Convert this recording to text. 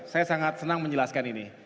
saya sangat senang menjelaskan ini